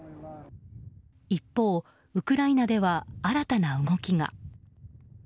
一方、ウクライナでは新たな動きが。